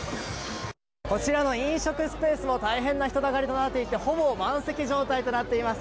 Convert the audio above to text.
こちらの飲食スペースも大変な人だかりとなっていてほぼ満席状態となっています。